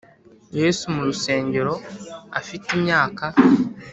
Yesu mu rusengero afite imyaka